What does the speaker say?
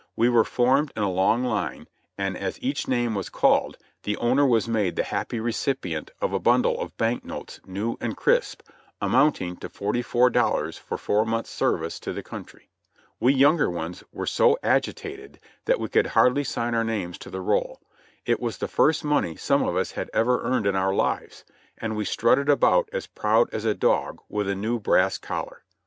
We were formed in a long line, and as each name was called the owner was made the happy recipient of a bundle of bank notes new and crisp, amounting to forty four dollars for four months' service to the country. We younger ones were so agitated that we could hardly sign our names to the roll ; it was the first money some of us had ever earned in our lives, and we strutted about as proud as a dog with a new brass collar.